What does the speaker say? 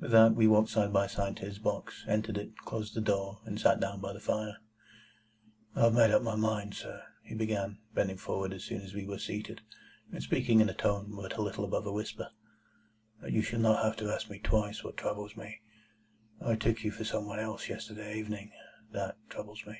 With that we walked side by side to his box, entered it, closed the door, and sat down by the fire. "I have made up my mind, sir," he began, bending forward as soon as we were seated, and speaking in a tone but a little above a whisper, "that you shall not have to ask me twice what troubles me. I took you for some one else yesterday evening. That troubles me."